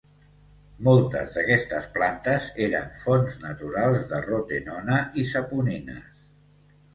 Moltes d'aquestes plantes eren fonts naturals de rotenona i saponines.